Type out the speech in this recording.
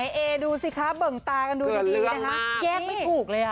แยกไม่ถูกเลยอ่ะ